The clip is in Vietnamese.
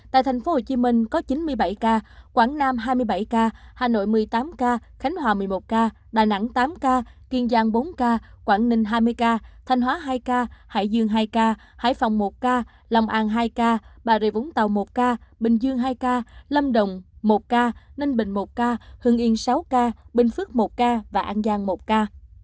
tại thành phố hồ chí minh có chín mươi bảy ca quảng nam hai mươi bảy ca hà nội một mươi tám ca khánh hòa một mươi một ca đà nẵng tám ca kiên giang bốn ca quảng ninh hai mươi ca thanh hóa hai ca hải dương hai ca hải phòng một ca lòng an hai ca bà rịa vũng tàu một ca bình dương hai ca lâm đồng một ca ninh bình một ca hương yên sáu ca bình phước một ca và an giang một ca